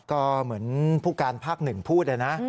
ก็เหมือนภูการณ์ภาค๑พูดด้วยนะ